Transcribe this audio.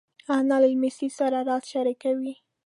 انا له لمسۍ سره راز شریکوي